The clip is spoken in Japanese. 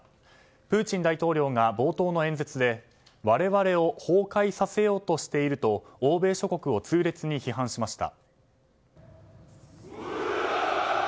プーチン大統領が冒頭の演説で我々を崩壊させようとしていると欧米諸国を痛烈に批判しました。